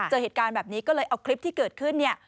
เจอเหตุการณ์แบบนี้ก็เลยเอาคลิปที่เกิดขึ้นเนี่ย